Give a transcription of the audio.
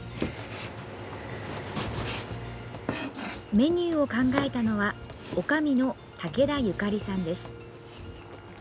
メニューを考えたのはおかみの武田由加里さんです。